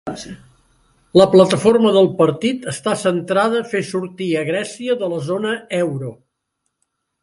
La plataforma del partit està centrada fer sortir a Grècia de la zona euro.